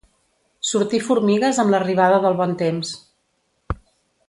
Sortir formigues amb l'arribada del bon temps.